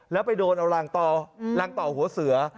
แล้วไปโดนเอารางต่อหัวเสือ